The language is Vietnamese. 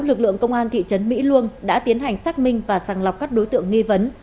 lực lượng công an thị trấn mỹ luông đã tiến hành xác minh và sàng lọc các đối tượng nghi vấn